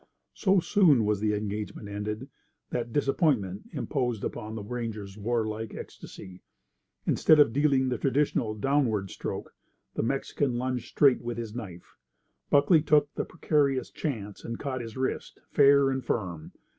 So soon was the engagement ended that disappointment imposed upon the ranger's warlike ecstasy. Instead of dealing the traditional downward stroke, the Mexican lunged straight with his knife. Buckley took the precarious chance, and caught his wrist, fair and firm.